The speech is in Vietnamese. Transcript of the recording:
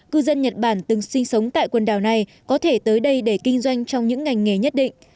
cư dân nhật bản từng sinh sống tại quần đảo này có thể tới đây để kinh doanh trong những ngành nghề nhất định